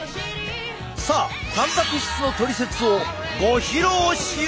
さあたんぱく質のトリセツをご披露しよう！